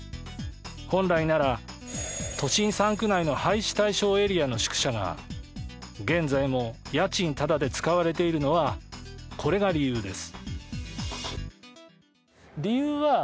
本来なら都心３区内の廃止対象の宿舎が現在も家賃タダで使われているのはこれが理由です。